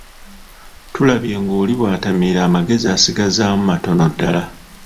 Tulabye ng'oli bw'atamiira amagezi asigazaamu matono ddala.